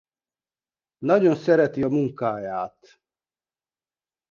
Nagyon szereti a munkáját.